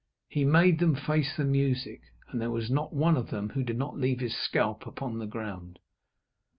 He made them face the music, and there was not one of them who did not leave his scalp upon the ground.